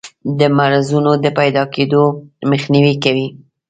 د مرضونو د پیداکیدو مخنیوی کوي.